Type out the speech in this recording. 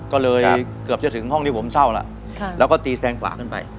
ก็เลยเกือบจะถึงห้องที่ผมเศร้าแล้วแล้วก็ตีแซงขวาขึ้นไป